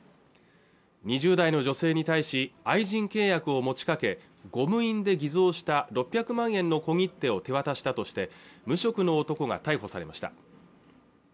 ２０代の女性に対し愛人契約を持ちかけゴム印で偽造した６００万円の小切手を手渡したとして無職の男が逮捕されました